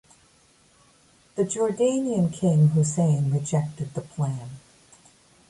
The Jordanian King Hussein rejected the plan.